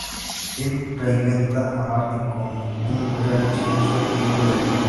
Tim reinventa a Marty como un empresario exitoso y hombre de familia.